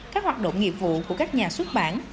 các hoạt động nghiệp vụ của các nhà xuất bản